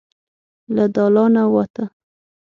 له دالانه ووته.